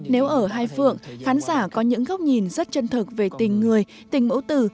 nếu ở hai phượng khán giả có những góc nhìn rất chân thực về tình người tình mẫu tử